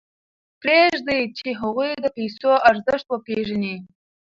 پرېږدئ چې هغوی د پیسو ارزښت وپېژني.